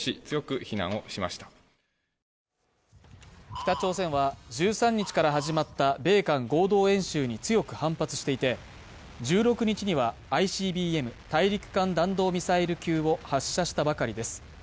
北朝鮮は１３日から始まった米韓合同演習に強く反発していて、１６日にはＩＣＢＭ＝大陸間弾道ミサイル級を発射したばかりです。